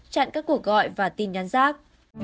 chặn các cuộc gọi và tin nhắn giác